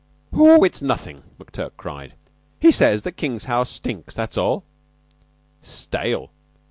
"Oh, it's nothing," McTurk cried. "He says that King's house stinks. That's all." "Stale!"